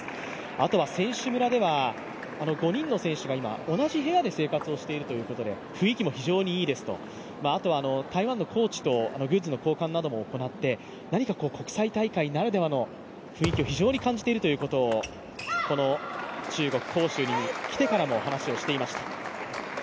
あとは選手村では、５人の選手が今同じ部屋で生活をしているということで雰囲気も非常にいいですと、あとは台湾のコーチともグッズの交換も行って国際大会ならではの雰囲気を非常に感じているということを中国・杭州に来てからも話をしていました。